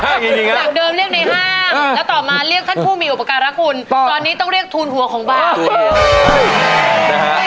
หลักเดิมเรียกในห้างแล้วต่อมาเรียกท่านผู้มีอุปการรักคุณตอนนี้ต้องเรียกทูลหัวของบ้าน